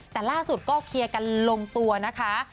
แต่ล่าสุดก็เคลียร์กันลงตัวนะคะ